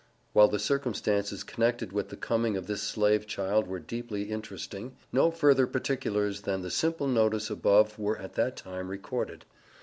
While the circumstances connected with the coming of this slave child were deeply interesting, no further particulars than the simple notice above were at that time recorded.